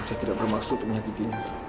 saya tidak bermaksud menyakiti